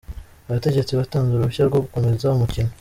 Abategetsi batanze uruhushya rwo gukomeza umukino.